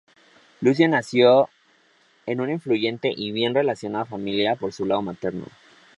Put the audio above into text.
Lucio nació en una influyente y bien relacionada familia por su lado materno.